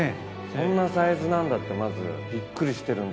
こんなサイズなんだってまずびっくりしてるんですけど。